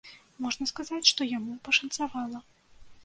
Можна сказаць, што яму пашанцавала.